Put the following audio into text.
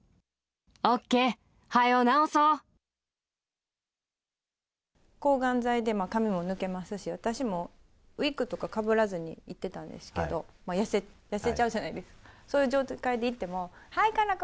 オッケー、抗がん剤で髪も抜けますし、私もウイッグとかかぶらずに行ってたんですけど、痩せちゃうじゃないですか、そういう状態でいっても、はい、加奈子、